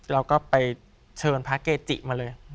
เราก็ไปเชิญพระเกจิมาเลย